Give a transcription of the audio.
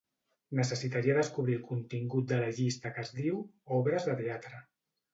Necessitaria descobrir el contingut de la llista que es diu "obres de teatre".